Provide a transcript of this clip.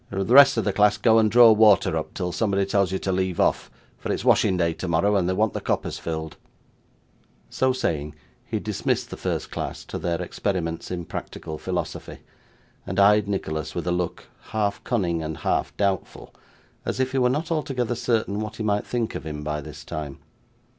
The rest of the class go and draw water up, till somebody tells you to leave off, for it's washing day tomorrow, and they want the coppers filled.' So saying, he dismissed the first class to their experiments in practical philosophy, and eyed Nicholas with a look, half cunning and half doubtful, as if he were not altogether certain what he might think of him by this time.